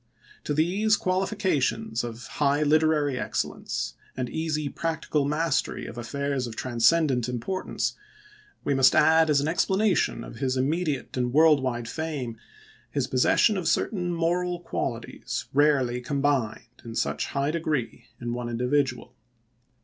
To these qualifications of high literary excellence, and easy practical mastery of affairs of transcendent importance, we must add, as an explanation of his immediate and world wide fame, his possession of certain moral qualities rarely combined, in such high degree, in one individual.